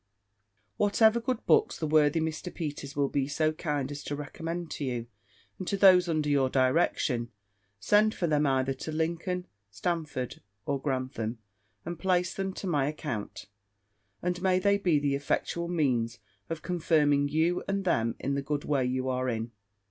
"Whatever good books the worthy Mr. Peters will be so kind as to recommend to you, and to those under your direction, send for them either to Lincoln, Stamford, or Grantham, and place them to my account: and may they be the effectual means of confirming you and them in the good way you are in!